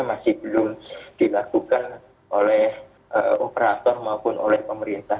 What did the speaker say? masih belum dilakukan oleh operator maupun oleh pemerintah